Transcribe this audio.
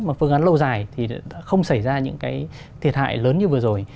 mà phương án lâu dài thì không xảy ra những cái thiệt hại lớn như vừa rồi